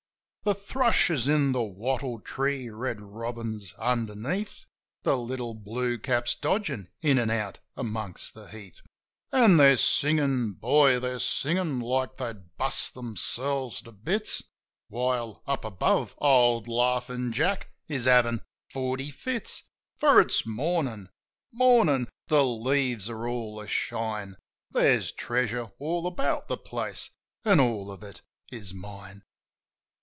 The thrush is in the wattle tree, red robin's underneath. The little blue cap's dodgin' in an' out amongst the heath; An' they're singin', boy, they're singin' like they'd bust 'emselves to bits; While, up above, old Laughin' Jack is havin' forty fits. For it's Mornin'! Mornin'! The leaves are all ashine: There's treasure all about the place; an' all of it is mine.